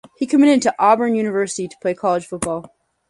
He committed to Auburn University to play college football.